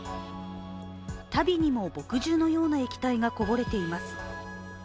足袋にも墨汁のような液体がこぼれています。